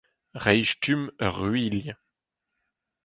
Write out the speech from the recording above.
Reiñ stumm ur ruilh.